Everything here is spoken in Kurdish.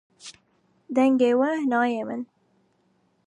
Dengê we nayê min.